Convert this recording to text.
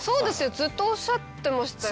ずっとおっしゃってましたよね。